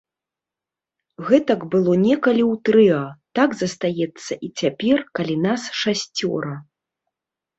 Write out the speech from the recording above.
Гэтак было некалі ў трыа, так застаецца і цяпер, калі нас шасцёра.